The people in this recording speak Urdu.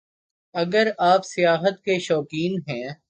اگر آپ سیاحت کے شوقین ہیں